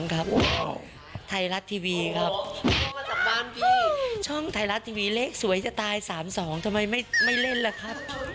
ไทยรัฐทีวีครับช่องไทยรัฐทีวีเลขสวยจะตาย๓๒ทำไมไม่เล่นล่ะครับ